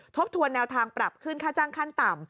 ทบทวนแนวทางปรับขึ้นค่าจ้างขั้นต่ำ